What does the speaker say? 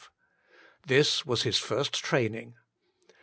This was his first training.